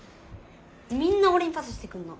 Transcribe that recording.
みんなおれにパスしてくんの。